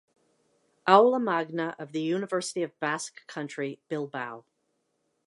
Aula Magna of University of the Basque Country, Bilbao.